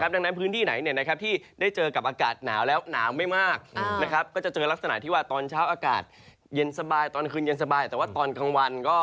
ดังนั้นพื้นที่ไหนเนี่ยนะครับที่ได้เจอกับอากาศหนาวแล้ว